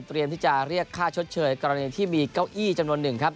เตรียมที่จะเรียกค่าชดเชยกรณีที่มีเก้าอี้จำนวน๑